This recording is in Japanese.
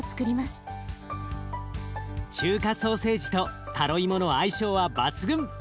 中華ソーセージとタロイモの相性は抜群。